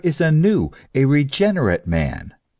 273 new, a regenerate man.